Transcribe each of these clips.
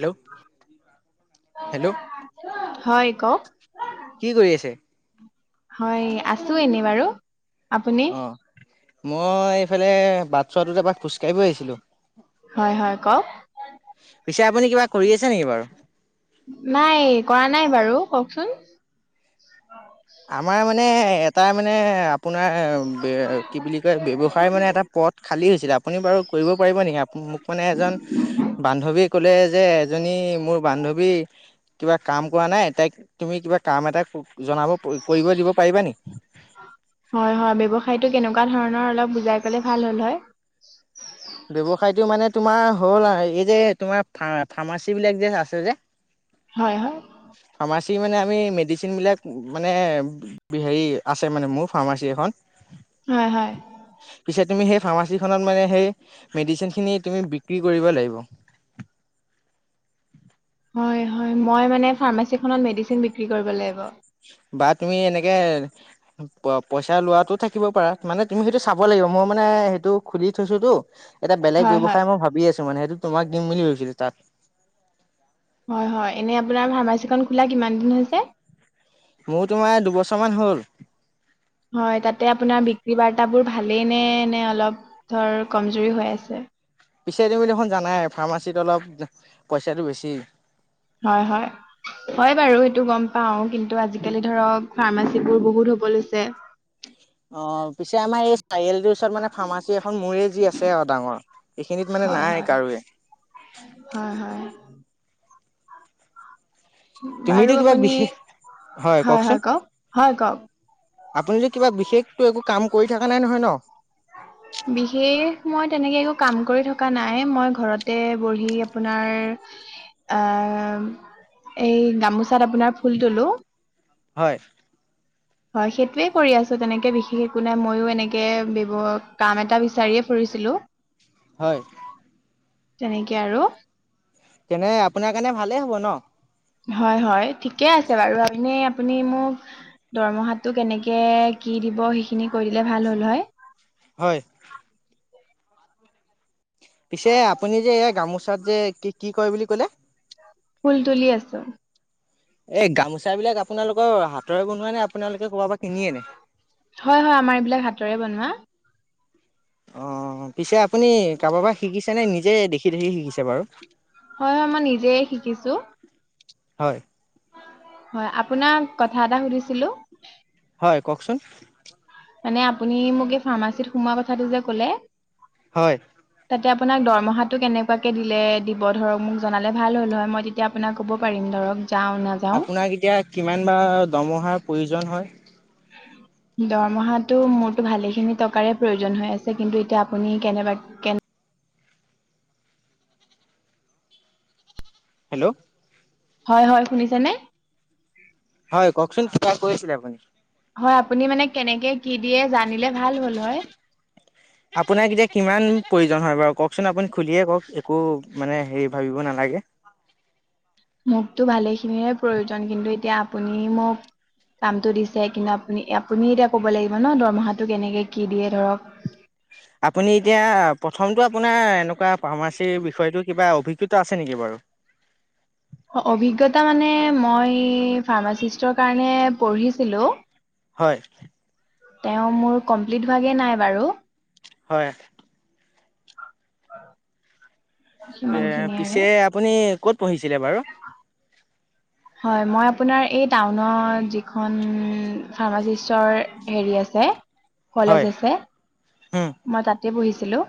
Hello hello. হয় কওক কি কৰি আছে? হয় আছো এনেই বাৰু আপুনি অ' মই এইফালে বাটছোৱাটোতে এপাক খোজকাঢ়িব আহিছিলোঁ। হয়, হয়, কওক। পিছে আপুনি কিবা কৰি আছে নেকি বাৰু? নাই কৰা নাই বাৰু কওকচোন। আমাৰ মানে এটা মানে। আপোনাৰ বে কি বুলি কয় ব্যৱসায় মানে এটা পদ খালী হৈছিলে আপুনি বাৰু কৰিব পাৰিব নেকি? আপুনি মোক মানে এজন বান্ধৱীয়ে কলে যে এজনী মোৰ বান্ধৱী কিবা কাম কৰা নাই তাইক তুমি কিবা কাম এটা জনাব। কৰিব দিব পাৰিবা নেকি? হয়, হয়, ব্যৱসায়টো কেনেকুৱা ধৰণৰ? ধৰনৰ অলপ বুজাই কলে ভাল হ'ল হয়। ব্যৱসায়টো মানে তোমাৰ হ'ল আৰু এই যে তোমাৰ ফা ফাৰ্মাচী বিলাক যে আছে যে। হয়, হয়। ফাৰ্মাচী মানে আমি মেডিচিনবিলাক মানে হেৰি আছে মানে মোৰ ফাৰ্মাচী এখন। হয়, হয়। পিছে তুমি সেই ফাৰ্মাচীখনত মানে সেই। মেডিচিন খিনি তুমি বিক্ৰী কৰিব লাগিব। হয়, হয়, ম‌ই মানে ফাৰ্মাচীখনত মেডিচিন বিক্ৰী কৰিব লাগিব। বা তুমি এনেকে। প‌ই পইচা লোৱাটো থাকিব পাৰা, মানে তুমি সেইটো চাব লাগিব মই মানে সেইটো খুুলি থৈছোতো। এটা বেলেগ হয় হয় ব্যৱসায় মই ভাবি আছো মানে সেইটো তোমাক দিম বুলি ভাবিছিলোঁ, তাত। হয়, হয়, এনেই আপোনাৰ ফাৰ্মাচীখন খোলা কিমান দিন হৈছে? মোৰ তোমাৰ দুবছৰ মান হ'ল। হয় তাতে আপোনাৰ বিক্ৰী বাৰ্তাবোৰ ভালেই নে? নে অলপ ধৰ কমজৰি হৈ আছে? পিচে তুমি দেখোন জানাই ফাৰ্মাচীত অলপ পইচাটো বেছি হয়, হয়হয় বাৰু সেইটো গম পাওঁ। কিন্তু, আজিকালি ধৰক ফাৰ্মাচী বোৰ বহুত হ'ব লৈছে। অ' পিছে আমাৰ এই চাৰিআলীটোৰ ওচৰত মানে ফাৰ্মাচী এখন মোৰে যি আছে আও ডাঙৰ, এইখিনিত মানে হয় নাই হয় কাৰোয়ে। হয় হয়। বাৰু তুমিতো কিবা আপুনি বিশেষ, হয় কওঁকচোন। কওক হয় কওক আপুনিটো কিবা বিশেষটো একো কাম কৰি থকা নাই নহয় ন'? বিশেষ মই তেনেকে একো কাম কৰি থকা নাই, মই ঘৰতে বহি আপোনাৰ অ' এই গামোচাত আপোনাৰ ফুল তুলো। হয়। হয়, সেইটোয়ে কৰি আছো তেনেকে বিশেষ একো নাই ময়ো এনেকে ব্যৱ কাম এটা বিচাৰিয়ে ফুৰি ছিলো। হয়। তেনেকে আৰু। তেনে আপোনাৰ কাৰণে ভালেই হব ন'? হয় হয়, ঠিকে আছে বাৰু! এনে আ আপুনি মোক দৰমহাটো কেনেকে কি দিব? সেইখিনি কৈ দিলে ভাল হ'ল হয়। হয় পিছে আপুনি যে এই গামোচাত যে, কি কি কয় বুলি কলে? ফুল তুলি আছোঁ। এই গামোচাবিলাক আপোনালোকৰ হাতৰে বনোৱা নে, আপোনালোকে কৰবা পৰা কিনি আনে? হয় হয়, আমাৰ এইবিলাক হাতেৰে বনোৱা। অ' পিছে আপুনি কাৰোবা পৰা শিকিছে নে নিজে দেখি দেখি শিকিছে বাৰু? হয় হয় মই নিজে শিকিছো হয়। হয়, আপোনাক কথা এটা সুধিছিলো। হয়, কওঁকচোন। মানে আপুনি মোক এই ফাৰ্মাচীত সোমোৱা কথাটো যে ক'লে হয়। তাতে আপোনাক দৰমহাটো কেনেকুৱাকৈ দিলে দিব ধৰক মোক জনালে ভাল হ'ল হয়। মই তেতিয়া আপোনাক ক'ব পাৰিম ধৰক যাওঁ নাযাওঁ আপোনাক এতিয়া কিমান বা দমহাৰ প্ৰয়োজন হয়? [inaudible] দৰমহাটো মোৰতো ভালেখিনি টকাৰে প্ৰয়োজন হৈ আছে, কিন্তু এতিয়া আপুনি কেনেবা কেনে হেল্ল' হয়, হয় শুনিছেনে? হয়, কওঁকচোন কিবা কৈছিলে আপুনি? হয় আপুনি মানে কেনেকে কি দিয়ে জানিলে ভাল হ'ল হয়? [inaudible] আপোনাক এতিয়া কিমান প্ৰয়োজন হয় বাৰু কওকচোন আপুনি খুলিয়ে কওক একো মানে হেৰি ভাবিব নালাগে। [inaudible] মোকতো ভালেখিনিৰে প্ৰয়োজন, কিন্তু এতিয়া আপুনি মোক কামটো দিছে কিন্তু আপুনি আপুনি এতিয়া কব লাগিব ন দৰমহাটো কেনেকে কি দিয়ে ধৰক। আপুনি এতিয়া প্ৰথমটো আপোনাৰ এনেকুৱা ফাৰ্মাচীৰ বিষয়টো কিবা অভিজ্ঞ তা আছে নেকি বাৰু? অভিজ্ঞতা মানে মই ফাৰ্মাচিষ্টৰ কাৰণে পঢ়িছিলো। হয়। তেওঁ মোৰ কমপ্লিট হোৱাগে নাই বাৰু। হয়। [unintelligible] এ সিমানখিনি আৰু পিছে আপুনি ক'ত পঢ়িছিলে বাৰু? হয় মই আপোনাৰ এই টাউনত যিখন ফাৰ্মাচিষ্টৰ হেৰি আছে। হয় কলেজ আছে উম মই তাতে পঢ়িছিলো।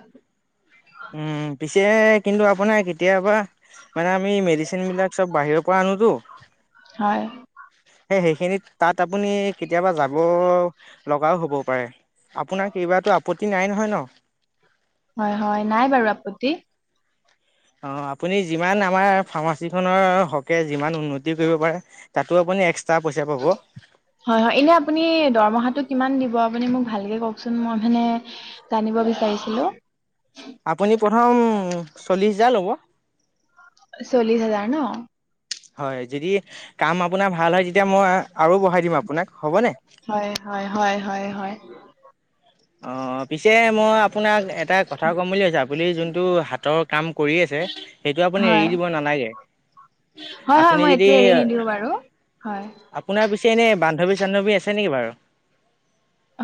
উম পিছে কিন্তু আপোনাৰ কেতিয়াবা মানে আমি মেডিচিনবিলাক চব বাহিৰৰ পৰা আনোতো হয়। সেই সেইখিনিত তাত আপুনি কেতিয়াবা যাব লগাও হ'ব পাৰে। আপোনাৰ কেইবাতো আপত্তি নাই নহয় ন? হয় হয় নাই বাৰু আপত্তি। অ আপুনি যিমান আমাৰ ফাৰ্মাচীখনৰ হকে যিমান উন্নতি কৰিব পাৰে তাতো আপুনি এক্স হয় হয় এনে আপুনি দৰমহাটোত কিমান দিব? আপুনি মোক ভালকে কওকচোন মই মানে জানিব বিচাৰিছিলো। আপুনি প্ৰথম চল্লিশ হেজাৰ ল'ব। চল্লিশ হাজাৰ ন? হয় যদি কাম আপোনাৰ ভাল হয় তেতিয়া মই আৰু বঢ়াই দিম আপোনাক, হ'বনে? হয় হয় হয় হয় হয় অ পিছে মই আপোনাক এটা কথাও ক'ম বুলি ভাবছো আপুনি যোন টো হাতৰ কাম কৰি আছে সেইটো আপুনি এৰি হয় দিব নালাগে। হয় হয় আপুনি মই যদি এইটো এৰি নিদিওঁ বাৰু হয় আপোনাৰ পি ছে এনেই বান্ধৱী চান্ধৱী আছে নেকি বাৰু?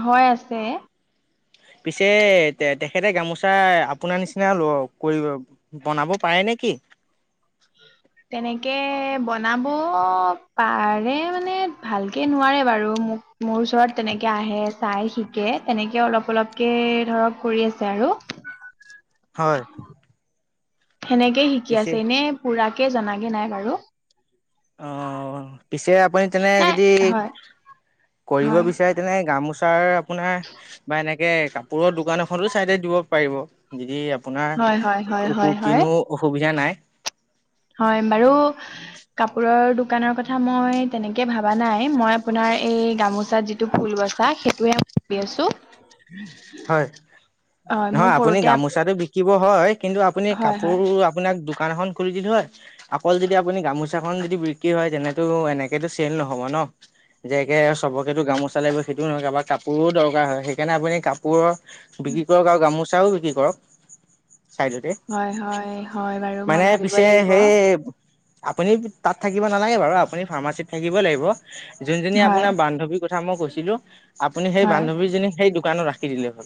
হয় আছে। পিছে তেখেতে গামোচা আপোনাৰ নিচিনা ল কৰিব বনাব পাৰে নেকি? [inaudible] তেনেকে বনাব পাৰে মানে ভালকে নোৱাৰে বাৰু মোৰ মোৰ ওচৰত তেনেকে আহে চাই শিকে তেনেকে অলপ অলপকে ধৰক কৰি আছে আৰু। হয়। সেনেকেই শিকি পিছে আছে এনে পুৰাকে জনাগে নাই বাৰু। অ পিছে আপুনি তেনে নাই যদি হয় কৰিব হয় বিচাৰে তেনে গামোচ তাৰ আপোনাৰ বা এনেকে কাপোৰৰ দোকান এখনো চাইডে দিব পাৰিব যদি আপোনা হয় হয় হয় হয় হয় হয় কিনো অসুবিধা নাই হয় বাৰু কাপোৰৰ দোকানৰ কথা মই তেনেকে ভাবা নাই মই আপোনাৰ এই গামোচাত যিটো ফুল বছা সেইটোৱে ভাবি আছোঁ। হয়, নহয় আপুনি সৰুতে আপ গামোচাতটো বিকিব হয়। কিন্তু, আপুনি হয় কাপোৰ হয় আপোনাক দোকান এখন খুলি দিলোঁ হয় আকৌ যদি আপুনি গামোচাখন যদি বিক্ৰী হয়। তেনেতটো এনেকেতটো চেল নহ'ব ন। ন যেকে চবকেতো গামোচা লাগিব। সেইটোও নহয় বা কাপোৰো দৰকাৰ হয়। সেইকাৰণে আপুনি কাপোৰ কাপোৰৰ বিক্ৰী কৰক আৰু গামোচাও বিক্ৰী কৰক। চাইদতে হয় হয় হয় বাৰু মই মানে ভাবিব পিছে লাগিব সেই। আপুনি তাত থাকিব নালাগে বাৰু আপুনি ফাৰ্মাচীত থাকিবই লাগিব। যোনজনী হয় আপোনাৰ বান্ধৱীৰ কথা মই কৈছিলো আপুনি সেই হয় বান্ধৱীজনী সেই দোকানত ৰাখ। কি দিলে হ'ল।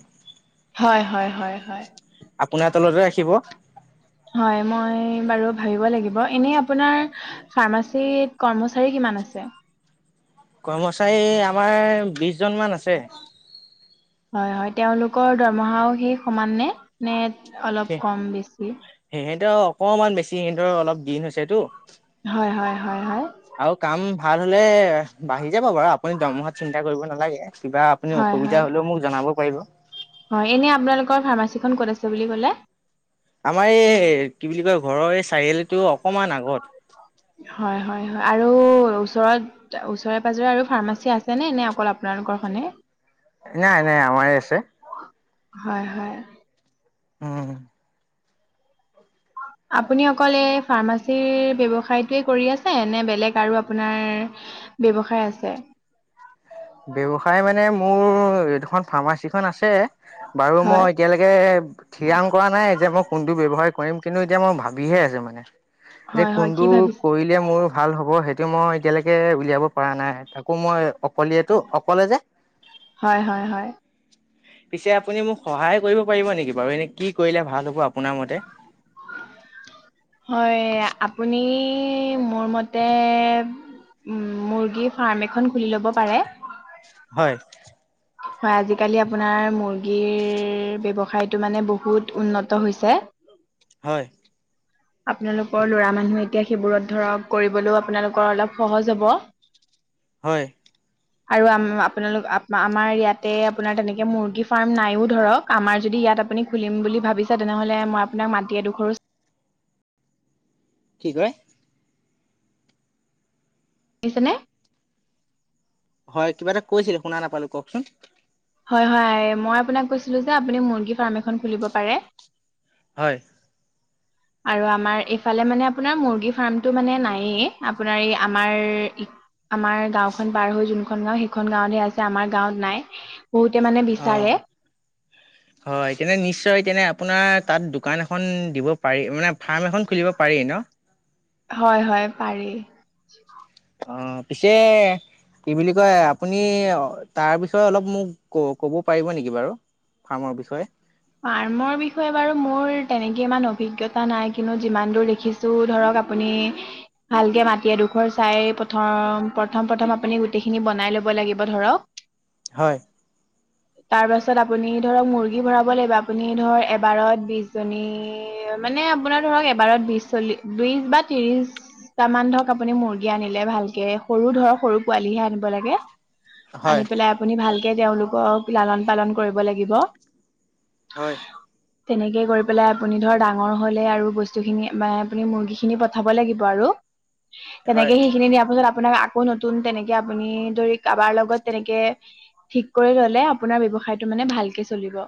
হয় হয় হয়। আপোনাৰ তলতে ৰাখিব হয় মই বাৰু ভাবিব লাগিব। এনে আপোনাৰ ফাৰ্মাচীত কৰ্মচাৰী কিমান আছে। কৰ্মচাৰী আমাৰ বিশ জন মান আছে হয় হয় তেওঁলোকৰ দৰমহাও সেই সমান নে -নে অলপ কম বেছি। সিহঁতৰ অকমান বেছি সিদৰে অলপ দিন হৈছেতো। হয় হয় হয় হয় আৰু কাম ভাল হলে বাঢ়ি যাব বাৰু আপুনি দৰমহাত চিন্তা কৰিব নালাগে। কিবা আপুনি হয় হয় অসুবিধা হ'লেও মোক জনাব পাৰিব হয় এনে আপোনালোকৰ ফাৰ্মাচীখন ক'ত আছে বুলি কলে। আমাৰ এই কি বুলি কয় ঘৰৰ এই চাৰিআলটো অকমান আগত। হয় হয় আৰু ওচৰত ওচৰে পাজৰে আৰু ফাৰ্মাচী আছে ন নে অকল আপোনালোকৰখনে। নাই নাই আমাৰে আছে হয় হয়। উম। [inaudible] আপুনি অকল এই ফাৰ্মাচীৰ ব্যৱসায়টোৱেই কৰি আছে নে বেলেগ আৰু আপোনাৰ। ব্যৱসায় আছে ব্যৱসায় মানে মোৰ এইডখন ফাৰ্মাচীখন আছে বাৰু মই হয় এতিয়ালৈকে থঠিৰাং কৰা নাই যে মই কোনটো ব্যৱসায় কৰিম কিন্তু এতিয়া মই ভাবিহে আছো মানে যে হয় হয় কি কোনটো ভাবিছে কৰিলে মোৰ ভাল হ'ব সেই। মই এতিয়ালৈকে উলিয়াব পৰা নাই তাকো মই। অলিয়টো অকলে যে। হয় হয় হয় পিছে আপুনি মোক সহায় কৰিব পাৰিব নেকি বাৰু এনে কি কৰিলে ভাল হ'ব আপোনাৰ মতে [inaudible] হয় আপুনি মোৰ মতে উম মুৰ্গী ফাৰ্ম এখন খুলি ল'ব পাৰে হয়। হয় আজিকালি আপোনাৰ মুৰ্গীৰ ব্যৱসায়টো মানে বহুত উন্নত হৈছে। হয় আপোনালোকৰ লৰা মানুহ এতিয়া সেইবোৰত ধৰক কৰিবলৈও আপোনালোকৰ অলপ সহজ হব। হয়। আৰু আম আপোনালোক। আমাৰ ইয়াতে আপোনাৰ তেনেকে মুৰ্গী ফাৰ্ম নাইও ধৰক আমাৰ যদি ইয়াত আপুনি খুলিম বুলি ভাবিছে তেনে। নহলে মই আপোনাক মাতি এডোখৰ কি কয় [inaudible] হয় কিবা এটা কৈছিলে শুনা নাপালো কওকচোন। হয় -হয় মই আপোনাক কৈছিলো যে আপুনি মুৰ্গী ফাৰ্ম এখন খুলিব পাৰে হয়। আৰু আমাৰ এইফালে মানে আপোনাৰ মুৰ্গী ফাৰ্মতটো মানে নায়ে আপোনাৰ এই আমাৰ। আমাৰ গাঁওখন পাৰ হৈ যোনখন গাও সেইখন গাঁওঁতহে আছে আমাৰ গাঁৱত নাই। বহুতে মানে বিচাৰে অ' হয় তেনে নিশ্চয় তেনে আপোনাক তাত দোকান এখন দিব পাৰি মানে ফাৰ্ম এখন খুলিব পাৰি ন' হয় হয় পাৰি। অ' পিছে। কি বুলি কয়, আপুনি তাৰ বিষয়ে অলপ মোক ক ক'ব পাৰিব নেকি বাৰু। ফ্ৰাৰ্মৰ বিষয়ে। ফ্ৰাৰ্মৰ বিষয়ে বাৰু মোৰ তেনেকে ইমান অভিজ্ঞতা নাই। কিন্তু যিমান দূৰ দেখিছোঁ ধৰক। আপুনি ভালকে মাটি এডোখৰ চাই প্ৰথম প্ৰথম আপুনি গোটেই খিনি বনাই ল ল'ব লাগিব ধৰক হয়। তাৰপাছত আপুনি ধৰক মুৰ্গী ভৰাব লাগিব। আপুনি ধৰক এবাৰত বিশজনী মানে আপোনাৰ ধৰক এবাৰত বিশ, চল্লি, বিশ বা ত্ৰিছ পাঁচটামান ধৰক আপুনি মুৰ্গী আনিলে ভালকে সৰু ধৰক সৰু পোৱালিহে আনিব লাগে। হয় আনি পেলাই আপুনি ভালকে তেওঁলোকক লালন পালন কৰিব লাগিব। হয়। তেনেকে কৰি পেলাই আপুনি ধৰ ডাঙৰ হ'লে আৰু বস্তুখিনি বা আপুনি মুৰ্গীখিনি পঠাব লাগিব আৰু। হয়। তেনেকে সেইখিনি দিয়াৰ পিছত আপোনাক আকৌ নতুন তেনেকে আপুনি ধৰি কাৰোবাৰ লগত তেনেকে ঠিক কৰি ললে আপোনাৰ ব্যৱসায়টো মানে ভালকে চলিব।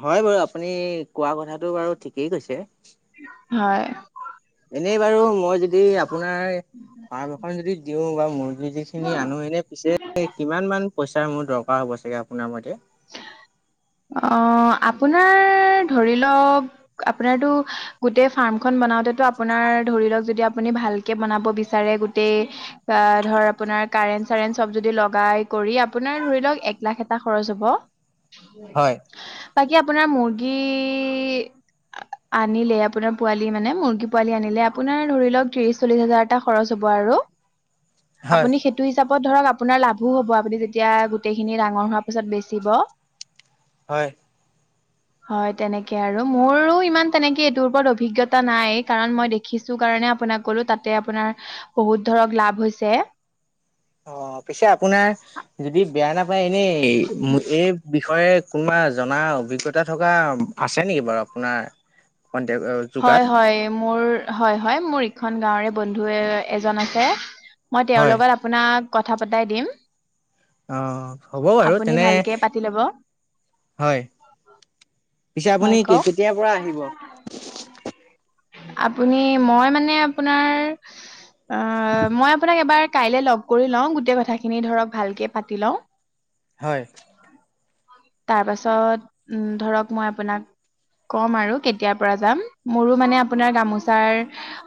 হয় বাৰু আপুনি কোৱা কথাটো বাৰু ঠিকেই কৈছে। হয়। এনেই বাৰু মই যদি আপোনাৰ ফাৰ্ম এখন যদি দিওঁ বাু মই। আমি যিখিনি আনো এনে পিছে কিমান মমান পইচাৰ মোৰ দৰকাৰ হ'ব চাগে আপোনাৰ মতে? [unintelligible] অ আপোনাৰ ধৰি লওক আপোনাৰতো গোটেই ফাৰ্মখন। বওতেো আপোনাৰ ধৰি লওক যদি আপুনি ভালকে বনাব বিচাৰে গোটেই ধৰ আপোনাৰ কাৰেণ্ট চাৰেণ্ট চব যদি লগাই কৰি আপোনাৰ ধৰি লওক এক লাখ এটা খৰচ হ'ব। হয় বাকী আপোনাৰ মুৰ্গী। আনিলে আপোনাৰ পোৱালি মানে মুৰ্গী পোৱালি আনিলে আপোনাৰ ধৰি লওক ত্ৰিশ চল্লিশ হাজাৰ এটা খৰচ হব। হব আৰু। হয় আপুনি সেইটো হিচাপত ধৰক আপোনাৰ লাভো হব আপুনি যেতিয়া গোটেইখিনি ডাঙৰ হোৱাৰ পিছত বেছি ব। হয়। হয় তেনেকে আৰু মোৰো ইমান তেনেকে এইটোৰ ওপৰত অভিজ্ঞতা নাই কাৰণ মই দেখিছো কাৰণে আপোনাক ক'লো তাতে আপোনাৰ বহুত ধৰক লাভ হৈছে। অ পিছে আপোনাৰ যদি বেয়া নাপায় এনেই এই বিষয়ে কোনোবা জনা অভিজ্ঞতা থকা আছে নেকি বাৰু আপোনাৰ? কন্টেক যোগাত? হয় হয় মোৰ হয় হয় মোৰ ইখন গাঁৱৰে বন্ধু এজন আছে। মই তেওঁৰ হয় লগত আপোনাক কথা পতাই দিম। অ হ'ব বাৰু আপুনি তেনে ভালকে পাতি ল'ব হয় পিছে হয় আপুনি কওক কেতিয়াৰ পৰা আহিব। আপুনি মই মানে আপোনাৰ আ মই আপোনাক এবাৰ কাইলে লগ কৰি লওঁ গোটেই কথাখিনি ধৰক ভালকে পাতি লওঁ। হয়। তাৰ পাছত উম ধৰক মই আপোনাক কম আৰু কেতিয়াৰ পৰা যাম মোৰো মানে আপোনাৰ গামোচাৰ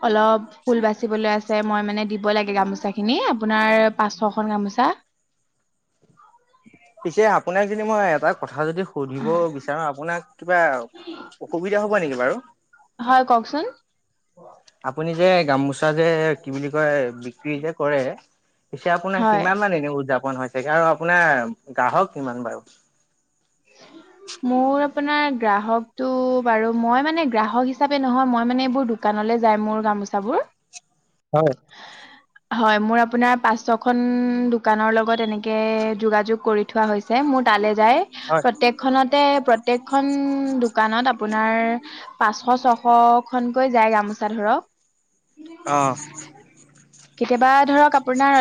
অলপ ফুল বাচিব বলে আছে মই মানে দিব লাগে গামোচাখিনি আপোনাৰ পাঁচশখন গামোচা। পিছে আপোনাক যদি মই এটা কথা যদি সুধিব বিচাৰো আপোনাক কিবা অসুবিধা হ'ব নেকি বাৰু? হয় কওকচোন? আপুনি যে গামোচা যে কি বুলি কয় বিক্ৰী যে কৰে। পিছে আপোনাৰ হয় কিমান মান এনে উদযাপন হৈছেগে আৰু আপোনাৰ গ্ৰাহক কিমান বাৰু? [inaudible] মোৰ আপোনাৰ গ্ৰাহকটো বাৰু মই মানে গ্ৰাহক হিচাপে নহয় মই মানে এইবোৰ দোকানল লে যায় মোৰ গামোচাবোৰ। হয় হয়, মোৰ আপোনাৰ পাঁচ ছখন দোকানৰ লগত এনেকে যোগাযোগ কৰি থোৱা হৈছে, মোৰ তালে যায় হয় প্ৰত্যেকখনতে প্ৰত্যেকখন দোকানত আপোনাৰ পাঁচশ ছশখনকৈ যায় গামোচা ধৰ ৰ'। অ'। কেতিয়াবা ধৰক আপোনাৰ